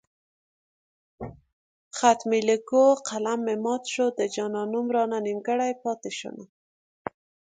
خط مې ليکو قلم مې مات شو د جانان نوم رانه نيمګړی پاتې شونه